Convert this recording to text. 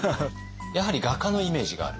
やはり画家のイメージがある？